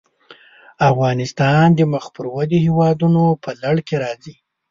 افغانستان د مخ پر ودې هېوادونو په لړ کې راځي.